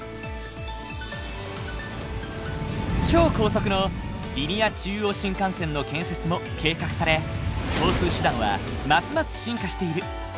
超高速のリニア中央新幹線の建設も計画され交通手段はますます進化している。